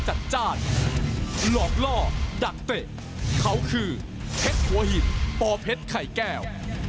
หลอกล่อดักเตะเขาคือเผ็ดหัวหินปอเผ็ดไข่แก้ว